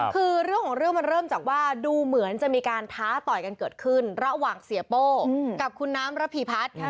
คือเรื่องของเรื่องมันเริ่มจากว่าดูเหมือนจะมีการท้าต่อยกันเกิดขึ้นระหว่างเสียโป้กับคุณน้ำระพีพัฒน์